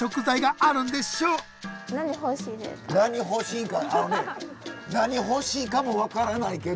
あのね何欲しいかも分からないけど。